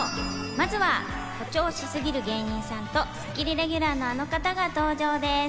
まずは誇張しすぎる芸人さんと『スッキリ』レギュラーのあの方が登場です。